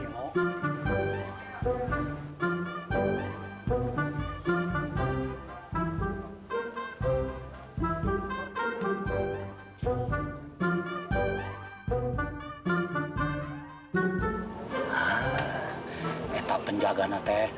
nah itu penjagaan kita